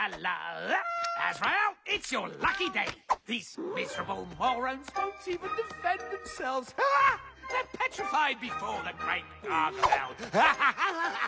ウハハハハ！